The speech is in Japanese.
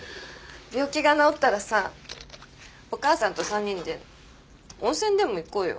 病気が治ったらさお母さんと三人で温泉でも行こうよ。